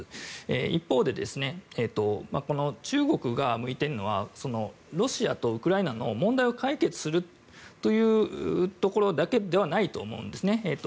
一方で、中国が向いているのはロシアとウクライナの問題を解決するというところだけではないと思うんですね。